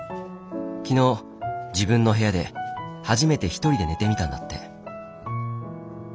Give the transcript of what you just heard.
昨日自分の部屋で初めて一人で寝てみたんだって。